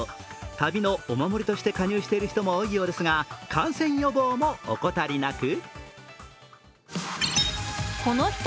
旅のお守りとして加入している人も多いようですが、感染予防も怠りなく。